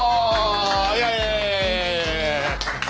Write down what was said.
イエイ！